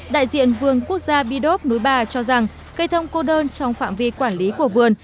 đại diện vườn quốc gia bidop núi bà cho rằng cây thông cô đơn trong phạm vi quản lý của vườn